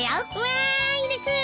わいです！